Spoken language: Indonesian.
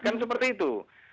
kan seperti itu